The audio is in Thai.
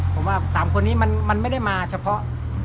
ผมว่า๓คนนี้มันไม่ได้มาเฉพาะ